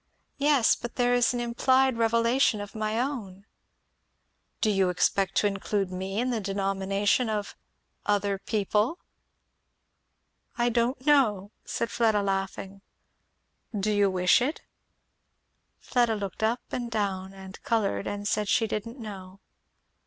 "Yes, but there is an implied revelation of my own." "Do you expect to include me in the denomination of 'other people'?" "I don't know," said Fleda laughing. "Do you wish it?" Fleda looked down and up, and coloured, and said she didn't know.